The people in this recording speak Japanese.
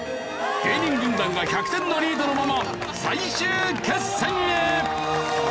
芸人軍団が１００点のリードのまま最終決戦へ！